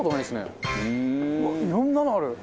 うわっいろんなのある！